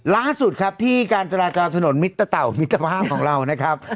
ล่าสุดครับที่การจราจรถนนมิตตะเต่ามิตรภาพของเรานะครับ